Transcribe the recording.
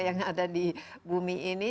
yang ada di bumi ini